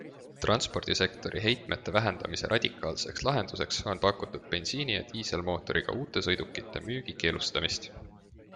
Transpordisektori heitmete vähendamise radikaalseks lahenduseks on pakutud bensiini- ja diiselmootoriga uute sõidukite müügi keelustamist.